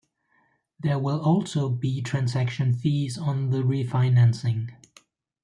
There will also be transaction fees on the refinancing.